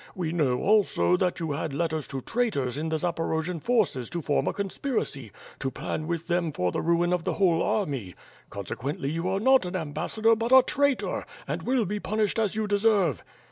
We know, also, that you had letters to traitors in the Zaporojian forces to form a conspiracy, to plan with them for the ruin of the whole army; consequently you are not an ambassador but a traitor, and will be punished as you deserve."